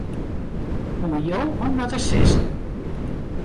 Oan jo om wat te sizzen.